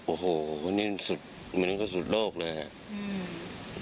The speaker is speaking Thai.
โอ้โหนี่มันก็สุดโรคเลยอ่ะ